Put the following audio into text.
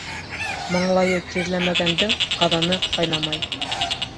Маңлайы тирләмәгәндең ҡаҙаны ҡайнамай.